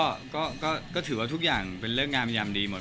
หรือก็ถือว่าทุกอย่างเป็นเลิกงามย่ำดีหมด